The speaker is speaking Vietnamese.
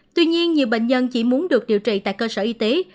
tuy nhiên nhiều bệnh nhân chỉ muốn được điều trị tại cơ sở y tế